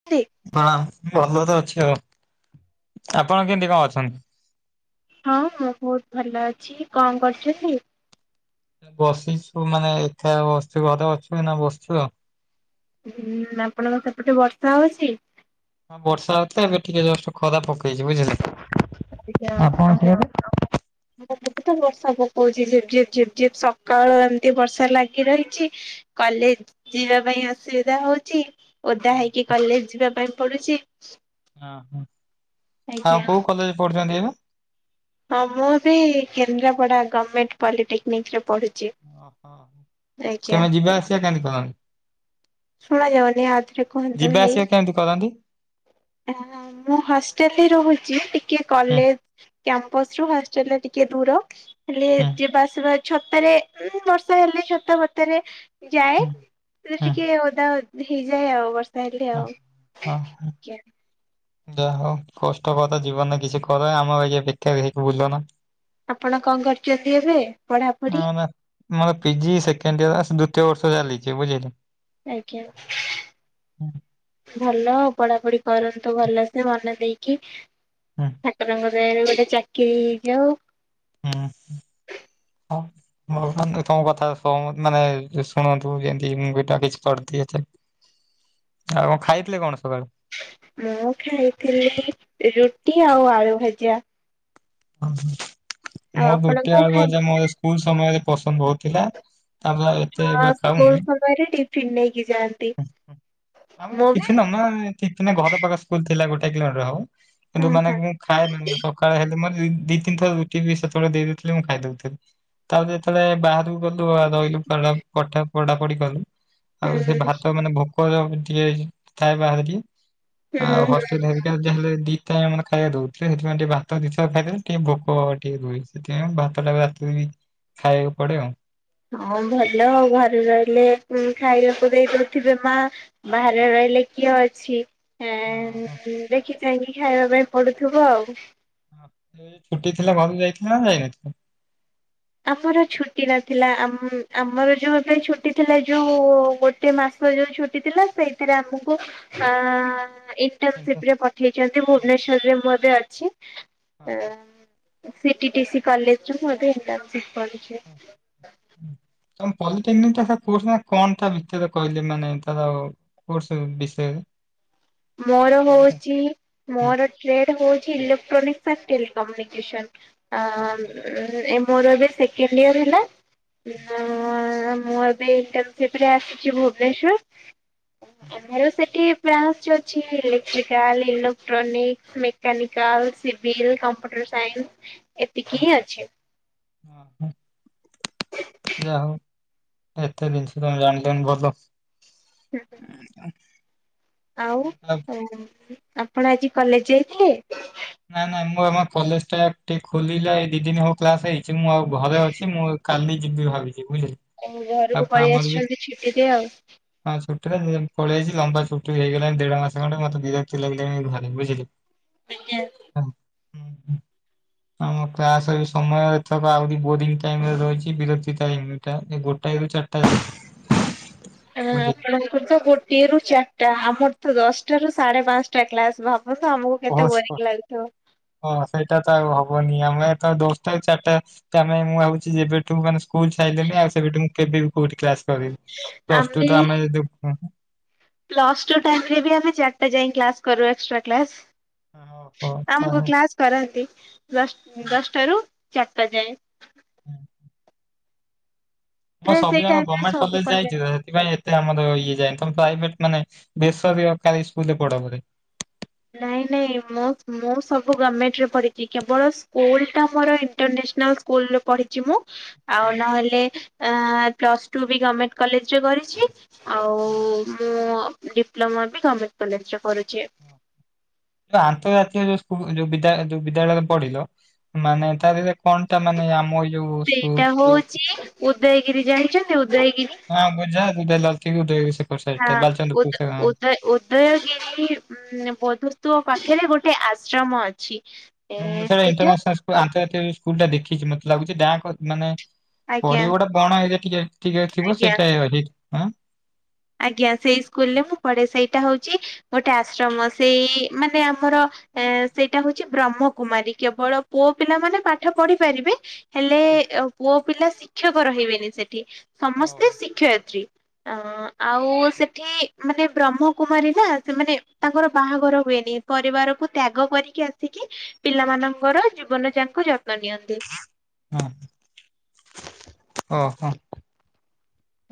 [unintelligible] ହଁ ଭଲ ତ ଅଛି ଆଉ। ଆପଣ କେମତି କଣ ଅଛନ୍ତି? ହଁ ହଁ ବୋହୁତ ଭଲ ଅଛି। କଣ କରୁଚନ୍ତି? ବସିଛୁ ମାନେ ଏକା ବସିଚୁ ଘରେ ଅଛୁ ଏଇନା ବସିଚୁ ଆଉ। ହୁଁ ଆପଣଙ୍କ ସେପଟେ ବର୍ଷା ହୋଉଚି। ହଁ ବର୍ଷା ହୋଉଥିଲା ଏବେ ଟିକେ ଜଷ୍ଟ ଖରା ପକେଇଚି ବୁଝିଲେ। ଆଜ୍ଞା [unintelligible] ହ [unintelligible] ତ ବର୍ଷା ପକୋଉଚି ଝିପ୍ ଝିପ୍ ଝିପ୍ ଝିପ୍ ସକାଳୁ ଏମିତି ବର୍ଷା ଲାଗି ରହିଚି। କଲେଜ ଯିବା ପାଇଁ ଅସୁବିଧା ହୋଉଚି। ଓଦା ହେଇକି କଲେଜ ଯିବା ପାଇଁ ପଡୁଚି। ଆ ହଁ ଆଉ କୋଉ କଲେଜ ପଢୁଚନ୍ତି ଏବେ? ହଁ ମୁଁ ବି କେନ୍ଦ୍ରାପଡା ଗମେଣ୍ଟ ପଲିଟେକ୍ନିକରେ ପଢୁ ଓହୋ କେମିତି ଯିବା ଆସିବା କେମତି କଲଣି? ଶୁଣା ଯାଉନି ଆଉ ଥରେ କୁହନ୍ତୁ ଭାଇ। କେମିତି କରନ୍ତି। ମୁଁ ହଷ୍ଟେଲରେ ରହୁଚି ଟିକେ ହୁଁ କଲେଜ କ୍ୟାମ୍ପସରୁ ହଷ୍ଟେଲରେ ଟିକେ ଦୂର ହେଲେ ହୁଁ ଯିବା ଆସିବା ଛତାରେ ଏ ବର୍ଷା ହେଲେ ଛତା ଫତାରେ ଯାଏ। ହୁଁ ହେଲେ ହୁଁ ଟିକେ ଓଦା ଓଦି ହେଇଯାଏ ଆଉ ବର୍ଷା ହେଲେ ଆଉ। ଓ ହୋଉ। [unintelligible] [unintelligible] ଯାହା ହୋଉ କଷ୍ଟକର ଜୀବନରେ କିଛି କର। ଆମ ବାଗିଆ ବେକାର ହେଇକି ବୁଲ ନା। ଆପଣ କଣ କରୁଚନ୍ତି ଏବେ? ପଢାପଢି? ମୁଁ ନା ମୋର ପିଜି ସେକେଣ୍ଡ ସ ଇୟର ଦୁତୀୟ ବର୍ଷ ଚାଲିଚି ବୁଝିଲେ। ଆଜ୍ଞା। ଭଲ ପଢାପଢି କରନ୍ତୁ ଭଲସେ ମନ ଦେଇକି ହୁଁ ଠାକୁରଙ୍କ ଦୟାରୁ ଗୋଟେ ଚାକିରି ହେଇଯାଉ। ହୁଁ ଓ। ଭଗବାନ ତ ତମ କଥା ମାନେ ଶୁଣନ୍ତୁ ଯେମିତି ମୁ ଗଟା କିଛି କରିଦିଏ ଚାକ ଆଉ ଖାଇଥିଲେ କଣ ସକାଳୁ? ମୁଁ ଖାଇଥିଲି ରୁଟି ଆଉ ଆଳୁ ଭଜା। ଓ ଆଉ ମୋ ଆପଣ ଦୁତୀଆ କଣ ଆଳୁ ଖାଆନ୍ତି? ବଜା ମୋର ସ୍କୁଲ ସମୟରେ ପସନ୍ଦ ହଉଥିଲା। ଛ ସ୍କୁଲ ସମୟରେ ଟିଫିନ ନେଇକି ଯାଆ ଆମ କିଛି ନନା କିଛି ନାଇଁ ଘର ପାଖ ସ୍କୁଲ ଥିଲା ଗୋଟେ କିଲୋମିଟର ହଉ। କିନ୍ତୁ ଓହୋ ମାନେ ହୁଁ ମୁଁ ଖାଏ ସକାଳେ ହେଲେ ମ ଦି ତିନି ଥର ରୁ ଟି ବି ସେତେବେଳେ ଦେଇ ଦୋଥିଲେ ମୁଁ ଖାଇଦଉଥିଲି। ତାପରେ ଯେତେବେଳେ ବାହାରକୁ ଗଲୁ ଆଉ ରହିଲୁ ପଢା ପାଠ ପଢା ପଡି କଲୁ। ଆଉ ସେ ହୁଁ। ଭାତ ମାନେ ଭୋକ ଜଉ ଟିକେ ଥାଏ ବାରେ ଟିକେ ଆଉ ହୁଁ ହଷ୍ଟେଲେର ଜାହାର ଯା ହେଲେ ଦିଇଟା ମାନେ ଖାଇବା ଦଉଥିଲେ ସେଥିପାଇଁ ଟିକେ ଭାତ ଦି ଥର ଖାଇ ଦେବେ ଟିକେ ଭୋକ ଟିକେ ରୁହେ। ସେଥିପାଇଁ ଭାତଟାକୁ ରାତିରେ ବି ଖାଇବାକୁ ପଡେ ଆଉ। ହଁ ଭଲ ଆଉ ଘରେ ରହିଲେ ଖାଇବାକୁ ଦେଇ ଦଉଥିବେ ମା। ବାହାରେ ରହିଲେ କିଏ ଅଛି? ହଁ ଏଁ ହଁ। ଦେଖି ଚାହିଁକି ଖାଇବା ପାଇଁ ପଡୁଥିବ ଆଉ। ଛୁଟି ଥିଲା ଘରକୁ ଯାଇଥିଲା ନା ଯାଇନଥିଲେ। ଆମର ଛୁଟି ନଥିଲା ଆମ୍ ଆମର ଯୋଉଥି ପାଇଁ ଛୁଟି ଥିଲା ଯୋଉ ବୋ ଗୋଟେ ମାସ ଯୋଉ ଛୁଟି ଥିଲା ସେଇଥିରେ ଆମକୁ ଆ ଏଇ ସେ କିନ୍ତୁ ସେଥିରେ ପଠେଇଛନ୍ତି ହଁ ଭୁବନେଶ୍ବରରେ ବୋଧେ ଅଛି। ସିଟି ଟିସି କଲେଜରୁ ବୋଧେ ଏକ୍ଜାମ ଅଛି ପରିକ୍ଷା। ହଁ। ତମ ପଲିଟେନିକଟା ଟା କୋର୍ସ ନା କଣ ତା ଭିତରେ କହିଲେ ମାନେ ତାର ଆଉ। କୋର୍ସ ବିଷୟରେ। ମୋର ଜାଣିଛ? ହଉଛି। ହୁଁ। ମୋର ଟ୍ରେଡ ହଉଛି ଇଲୋକ୍ଟ୍ରୋନିକ୍ ଫାଷ୍ଟ ଟେଲିକମୁନିକେସନ। ଓହୋ। ଆ ମୋର ଏବେ ସେକେଣ୍ଡ ଇୟର ହେଲା। ହୁଁ, ମୁଁ ମୁଁ ଏବେ ଇଣ୍ଟରନସିପ ରେ ଆସିଛି ଭୁବନେଶ୍ଵର। ଆମର ସେଠି ଫ୍ରାନ୍ ସ ଅ ଛି electrical electronic mechanical civil computer science. ହୁଁ, ଏତିକି ହିଁ ଅଛି। ହୁଁ। ଓହୋ, ଯାହା ହଉ ଏତେ ଜିନିଷ ତମେ ଜାଣିଲନି ଭଲ। ହଉ ଆପଣ ଆଜି କଲେଜ ଯାଇଥିଲେ? ନା ନା ମୋ ଆମ କଲେଜ ଟା ଟିକେ ଖୋଲିଲା ଏଇ ଦି ଦିନ ହଉ କ୍ଲାସ ହେଇଛି ମୁଁ ଆଉ ଘରେ ଅଛି ମୁଁ କାଲି ଯିବି ଭାବିଛିି ବୁଝିଲି। ଏଇ ଆଉ ଘରକୁ ପଳେଇ ଆମର ବି ଆସିଛନ୍ତି ଛୁଟି ଦେଇ ଆଉ। ହଁ ଛୁଟିରେ ମୁଁ ପଳେଇ ଆଇଚି ଲମ୍ବା ଛୁଟି ହେଇଗଲାଣି ଦେଢ ମାସ ଖଣ୍ଡେ ମତେ ବିରକ୍ତି ଲାଗିଲାଣି ଘରେ ବୁଝିଲି। ଟିକିଏ। ହୁଁ ହୁ। ଆମ କ୍ଲାସରେ ସମୟ ଏଥରକ ଆହୁରି ବୋରିଙ୍ଗ୍ ଟାଇମରେ ରହିଛି ବିରକ୍ତି ଟାଇମି। ଟା ଗୋଟାଇ ରୁ ଚାରଟା। ଆ ଆପଣଙ୍କର ତୋ ଗୋ ଗୋଟିଏରୁ ଚାରିଟା, ଆମର ତ ଦଶଟାରୁ ସାଢେ ପାଞ୍ଚଟା କ୍ଲାସ ଭାବନ୍ତୁ ଆମକୁ କେତେ ବୋରିଂ ଲାଗୁଥିବ। ହଁ ସେଇଟା ତ ଆଉ ହବନି ଆମେ ତ ଦଶଟାରୁ ଚାରିଟା ତ ଆମେ ମୁଁ ଭାବୁଛି ଯେବେଠୁ ମାନେ ସ୍କୁଲ ସାଇଲିଣି, ଆଉ ସେବେଠୁଁ କେବେ ବି କୋଉଠି କ୍ଲାସ କରିନି, ପ୍ଲସ ଟୁ ତ ଆମେ ଯୋଉ ପ୍ଲସ ଟୁ ଟାଇମ୍ ରେ ବି ଆମେ ଚାରିଟା ଯାଇ କ୍ଲାସ କରୁ ଏକ୍ସଟ୍ରା କ୍ଲାସ। ଓହୋ ଆମକୁ ତାହେଲେ କ୍ଲାସ କରାନ୍ତି, ଦଶ ହଁ। ଦଶଟାରୁ ଚାରିଟା ଯାଏ। ହୁଁ ମୁଁ ପ୍ରାୟ ସେଇ ସବୁଯାକ ଟାଇମରେ ଗଭର୍ଣ୍ଣମେଣ୍ଟ ସବୁ କଲେଜ କଲେ ଯାଇଛି ଯେ ସେଥିପାଇଁ ଏତେ ଆମର ଇଏ ଯାଏ ତ, ପ୍ରାଇଭେଟ ମାନେ ବେସରକାରୀ ସ୍କୁଲ୍ ରେ ପଢ ବୋଧେ? ନାଇଁ ନାଇଁ ମୁଁ ସବୁ ଗଭର୍ଣ୍ଣମେଣ୍ଟରେ ପଢ଼ିଛି, କେବଳ ସ୍କୁଲଟା ମୋର ଇଣ୍ଟରନ୍ୟାସନାଲ୍ ସ୍କୁଲରେ ପଢିଛି ମୁଁ। ଆଉ ହୁଁ, ନହେଲେ ଆଁ ପ୍ଲସ ଟୁ ବି ଗମେଣ୍ଟ କଲେଜରେ କରିଛି। ଆଉ ହୁଁ, ମୁଁ ଡିପ୍ଲୋମା ବି ଗମେଣ୍ଟ କଲେଜରେ କରୁଛି। ଯୋ ଆନ୍ତର୍ଜାତୀୟ ଯୋଉ ସ୍କୁ ଯୋଉ ବିଦ୍ୟାଳୟ ଯୋଉ ବିଦ୍ୟାଳୟରେ ପଢିଲ ମାନେ ତାଧେରେ କଣ ଟା ମାନେ ଆମ ଇ ସେଇଟା ହଉଛି ଉଦୟଗିରି ଜାଣିଛନ୍ତି ଉଦୟଗିରି? ହଁ ବୁଝା [unintelligible] ହଁ ବାଲଚନ୍ଦ୍ରପୁର ଉଦ ସେ ହଁ। ଉଦଏ ଉ ଦୟଗିରି ମ-ମ ବଧୁସ୍ତୁପ ପାଖରେ ଗୋଟେ ଆଶ୍ରମ ଅଛି। ଏ ମ-ମ ମୁଁ ଥରେ ସେଇଟା ଇଣ୍ଟରନ୍ୟାସନାଲ ସ୍କୁଲ ଆନ୍ତର୍ଜାତୀୟ ସ୍କୁଲଟା ଦେଖିଛି, ମତେ ଲାଗୁଚି ବ୍ୟାଙ୍କ ମାନେ ଆଜ୍ଞା ପଡିବ ଗୋଟେ ବଣ ଏରିଆ ଟିକେ ଟିକେ ଥିବ, ଆଜ୍ଞା। ସେଇଟା [unintelligible] ଆଁ ଆଜ୍ଞା ସେଇ ସ୍କୁଲରେ ମୁଁ ପଢେ, ସେଇଟା ହଉଛି ଗୋଟେ ଆଶ୍ରମ ସେଇ ମାନେ ଆମର ଏ ସେଇଟା ହଉଛି ବ୍ରହ୍ମକୁମାରୀ, କେବଳ ପୁଅ ପିଲାମାନେ ପାଠ ପଢିପାରିବେ ହେଲେ ପୁଅପିଲା ଶିକ୍ଷକ ରହିବେନି ସେଠି। ସମସ୍ତେ ଓହୋ ଶିକ୍ଷୟିତ୍ରୀ ଅଁ ଆଉ ସେଠି ମାନେ ବ୍ରହ୍ମକୁୁମାରୀ ନା, ସେମାନେ ତାଙ୍କର ବାହାଘର ହୁଏନି। ପରିବାରକୁ ତ୍ୟାଗ କରିକି ଆସିକି, ପିଲାମାନଙ୍କର ଜୀବନ ଯାଙ୍କ ଯତ୍ନ ନିଅନ୍ତି। ହୁଁ ଓ ହୋ।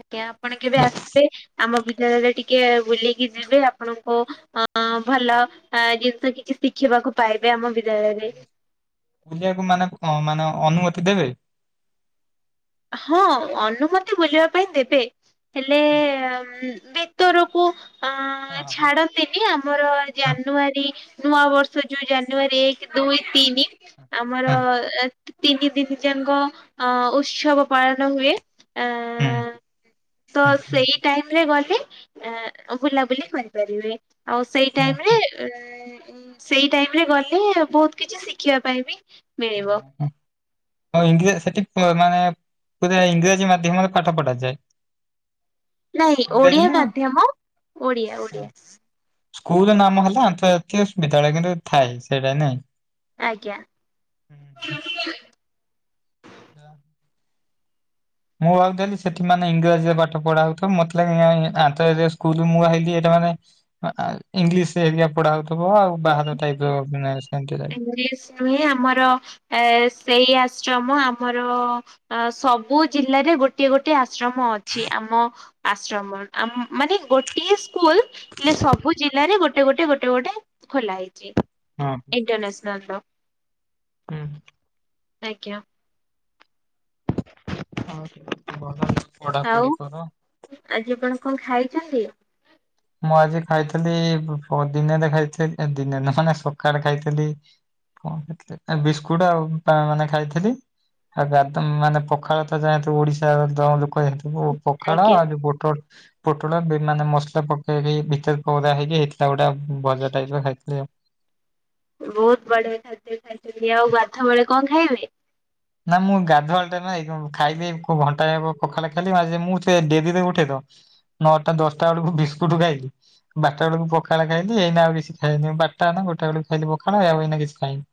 ଆଜ୍ଞା ଆପଣ କେବେ ଆସିବେ? ଆମ ବିଦ୍ୟାଳୟରେ ଟି କେ ବୁଲିକି ଯିବେ, ଆପଣଙ୍କୁ ଅଁ ଭଲ ଆଁ ଜିନିଷ କିଛି ଶିଖିବାକୁ ପାଇବେ ଆମ ବିଦ୍ୟାଳୟରେ। ବୁଲିଆକୁ ମାନେ କଣ ମାନେ ଅନୁମତି ଦେବେ? ହଁ ଅନୁମତି ବୁଲିବା ପାଇଁ ଦେବେ। ହେଲେ ଭିତରକୁ ଅଁ ହଁ ଛାଡ ତିନି ଆମର ହଁ ଜାନୁଆରୀ ନୂଆ ବର୍ଷ ଯୋଉ ଜାନୁଆରୀ ଏକ ଦୁଇ ତିନି ଆମର ହୁଁ, ତିନିଦିନି ଯାଙ୍କ ଉତ୍ସବ ପାଳନ ହୁଏ। ହୁଁ, ଆଁ ତ ହୁଁ, ସେଇ ଟାଇମରେ ଗଲେ ବୁଲାବୁଲି କରିପାରିବେ, ଆଉ ସେଇ ହୁଁ, ଟାଇମରେ ହୁଁ, ଇଁ ସେଇ ଟାଇମରେ ଗଲେ ବହୁତ କିଛି ଶିଖିବା ପାଇଁ ବି ମିଳିବ ହଁ। ଆଉ ଇଂ ସେଠି ପୁ ମାନେ ପୁରା ଇଂରାଜୀ ମାଧ୍ୟମରେ ପାଠ ପଢାଯାଏ? ନାଇ ଇଂରାଜୀ ଓଡ଼ିଆ ନା ମାଧ୍ୟମ, ଓଡ଼ିଆ ଓଡ଼ିଆ। ସ୍କୁଲର ନାମ ହେଲା ଆନ୍ତର୍ଜାତୀୟ ବିଦ୍ୟାଳୟ, କିନ୍ତୁ ଥାଏ ସେଇଟା ନାଇଁ। ଆଜ୍ଞା। [unintelligible] ମୁଁ ଭାବୁଥେଲି ସେଠି ମାନେ ଇଂରାଜୀରେ ପାଠ ପଢାହଉଥିବ ମତେ ଲାଗିଲା ଇଁ ଆନ୍ତର୍ଜାତୀୟ ସ୍କୁଲୁ ମୁଁ ଭାବିଲି ଏଇଟା ମାନେ। ଅ ଆଁ ଇଂଲିଶ ହେରିକା ପଢା ହଉଥିବ ଆଉ ବାହାର ଟାଇପର ମାନେ ଇଂଲିଶ ନୁହେଁ ଆମର। ଏ ସେଇ ଆଶ୍ରମ ଆମର ଅ ସବୁ ଜିଲ୍ଲାରେ ଗୋ ଗୋଟିଏ ଗୋଟେ ଆଶ୍ରମ ଅଛି ଆମ ଆଶ୍ରମ ଆମ ମାନେ ଗୋଟିଏ ସ୍କୁଲ ହେଲେ ସବୁ ଜିଲ୍ଲାରେ ଗୋଟେ ଗୋଟେ ଗୋଟେ ଗୋଟେ ଖୋଲା ହେଇଚି। ଇଣ୍ଟରନ୍ୟାସନଲର ହଁ। ଆଜ୍ଞା। ହଁ ଭଲ ଆଉ ପଢାପଢି କର। ଆଜି ଆପଣ କଣ ଖାଇଛନ୍ତି? ମୁଁ ଆଜି ଖାଇଥିଲି ପ ଦିନରେ ଖାଇଥିଲି ଦିନେରେ ମାନେ ସକାଳେ ଖାଇଥିଲି। କଣ ଖାଇଥିଲି ବିସ୍କୁଟ ଆଉ ପା ମାନେ ଖାଇଥିଲି। ଆଉ ଗାଦ ମାନେ ପଖାଳ ତ ଯାଆନ୍ତୁ ଓଡିଶା [unintelligible] ଓ ପଖାଳ ଆଜ୍ଞା ଆଉ ଯୋଉ ପୋଟଳ ପୋଟଳ ବି ମାନେ ମସଲା ଫ ସେ ବି ଭିତରେ କରା ହେଇକି ହେଇଥିଲା ଗୋଟେ ଭଜା ଟାଇପ ଖାଇଥିଲି ଆଉ। ବହୁତ ବଢିଆ ଖାଦ୍ୟ ଖାଇଚନ୍ତି ଆଉ ଗାଧୁଆବେଳେ କଣ ଖାଇବେ? ନା ମୁଁ ଗାଧୁଆଳ ଟାଇମ୍ ଖାଇବି କଉ ଘଣ୍ଟାଏ ହବ ପଖାଳ ଖାଇଲି ଆଜି ମୁଁ ସେ ଡେରିରେ ଉଠେତ। ନଅଟା, ଦଶଟା ବୁଳୁକୁ ବିସ୍କୁଟ ଖାଇଲିି। ବାରଟା ବେଳକୁ ପଖାଳ ଖାଇଲି ଏଇନା ଆଉ କିଛି ଖାଇନି ବାରଟା ନା ଗୋଟାଏ ବେଳକୁ ଖାଇଲି ପଖାଳ ଆଉ ଏଇନା କିଛି ଖାଇନି।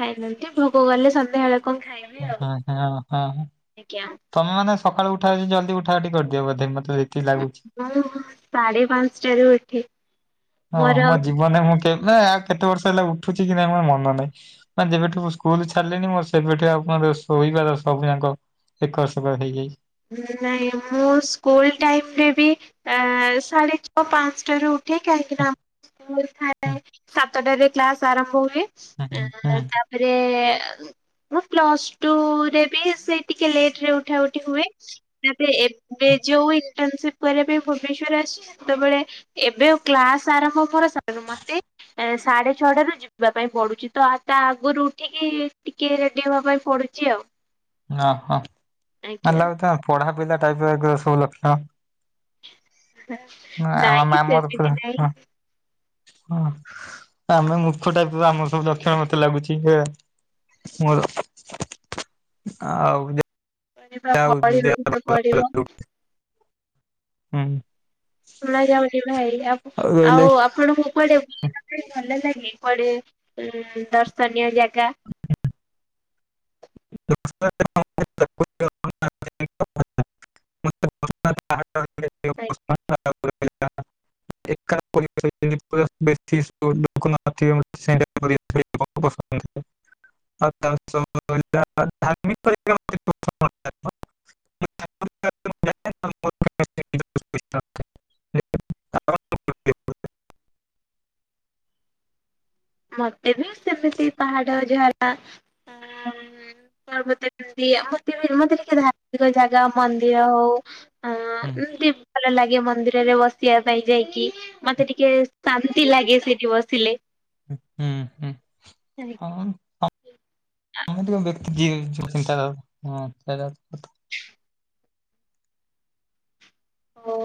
ଖାଇନାହାନ୍ତି ଭୋବ କଲେ ସନ୍ଧ୍ୟା ବେଳେ କଣ ଖାଇ [unintelligible] ଏଜ୍ଞା। ତମେ ମାନେ ସକାଳୁ ଉଠାଉ ଜଲଦି ଉଠା ଉଠି କରିଦିଅ ବୋଧେ ମତେ ଯେତିକି ଲାଗୁଛି। ମୁଁ ସାଢେପାଞ୍ଚଟାରୁ ଉଠେ ମୋର। ମାନେ ମୁଁ କେନା କେତେ ବର୍ଷ ହେଲା ଉଠୁଛି କି ନାଇଁ ମୋର ମନ ନାହିଁ। ମାନେ ଯେବେଠୁ ମୁଁ ସ୍କୁଲ ଛାଡିଲେଣୀ ମୋ ସେବେଠୁ ଶୋଇବାର [unintelligible] ଏକର ସେକର ହେଇଯାଇ ନାଇଁ ମୁଁ ସ୍କୁଲ ଟାଇମରେ ବି ଏଁ ସାଢ଼େ ଛଅ ପାଞ୍ଚଟାରୁ ଉଠେ କାହିଁକିନା ମୋର ଥାଏ ହୁଁ ସାତଟାରେ କ୍ଲାସ ଆରମ୍ଭ ହୁଏ। ହୁଁ ହୁଁ ହୁଁ ଉଁ ତାପ୍ ରେ ମୁଁ ପ୍ଲସଟୁ ରେ ବି ସେ ଟିକିଏ ଲେଟରେ ଉଠା ଉଠି ହୁଏ। ତାପରେ ଏବେ ଯୋଉ ଇଣ୍ଟନସିପ୍ କରିବା ପାଇଁ ଭୁବନେଶ୍ଵର ଆସି ସେତେବେଳେ ଏବେ ଆଉ କ୍ଲାସ ଆରମ୍ଭ ମୋର ସ ମତେ ଏଁ ସାଢେଛଅଟାରେ ଯି ଯିବା ପାଇଁ ପଡୁଛିତ ଆ ତା ଆଗରୁ ଉଠିକି ଟିକିଏ ରେଡି ହବା ପାଇଁ ପଡୁଛି ଆଉ। ଓହୋ ଆଜ୍ଞା ମାନିଲା କଥା ପଢାପିଲା ଟାଇପ ଫାଇପ ସବୁ ଲକ୍ଷ। ନା ଆ ନାଇଁ ମାମୁଁ ହର ସେମିତି ପୁରା ନାଇଁ ହଁ। ହଁ ଆମେ ମୁର୍ଖ ଟାଇପର ଆମର ସବୁ ଲକ୍ଷଣ ମତେ ଲାଗୁଚି ହେ ମୋର ଆଉ ଯେ [unintelligible] ପଢିବାକୁ ତ ପଡିବ। ରହିଲା ହୁଁ। ଶୁଣା ଯାଉଛି ଭାଇ ଆପୁ ଆଉ ଆପଣକୁ କୁଆଡେ। ଭଲ ଲାଗେ କୁଆଡେ ଉଁ ଦର୍ଶନୀୟ ଜାଗା। [inaudible] [inaudible] [inaudible] [inaudible] [unintelligible] [unintelligible] ମତେ ବି ସେମିତି ପାହାଡ, ଝାଡ଼ା ଆ ଆଉ ମୋତେ ସେମିତି ମୋତେ ବି ମୋତେ ଟିକେ ଧାର୍ମିକ ଜାଗା ମନ୍ଦିର ହଉ ଆ ହୁଁ ଏମତି ଭଲ ଲାଗେ ମନ୍ଦିରରେ ବସିବା ପାଇଁ ଯାଇକି। ମତେ ଟିକେ ଶାନ୍ତି ଲାଗେ ସେଠି ବସିଲେ। ହୁଁ ହୁଁ। [unintelligible] ହଁ [unintelligible] [unintelligible] ଓ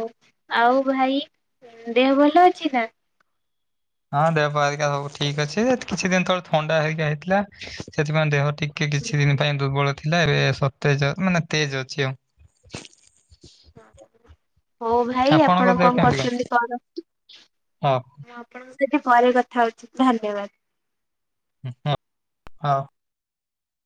ଆଉ ଭାଇ ଦେହ ଭଲ ଅଛି ନା? ହଁ ଦେହପା ହେରିକା ସବୁ ଠିକ ଅଛି, କିଛି ଦିନ ତଳେ ଥଣ୍ଡା ହେକା ହେଇଥିଲା ସେଥିପାଇଁ ଦେହ ଟିକେ କିଛି ଦିନ ପାଇଁ ଦୁର୍ବଳ ଥିଲା, ଏବେ ସତେଜ ମାନେ ତେଜ୍ ଅଛି ଆଉ। ହଉ ଭାଇ ଆପଣ ଆପଣଙ୍କ ଦେହ କଣ କେମିତି କରୁଛନ୍ତି? କଣ ହଁ ଆପଣ ଙ୍କ ସହିତ ପରେ କଥା ହଉଛି, ଧନ୍ୟବାଦ। ହୁଁ ହଁ ହଁ ‌।